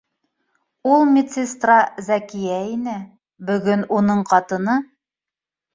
Ул медсестра Зәкиә ине, бөгөн уның ҡатыны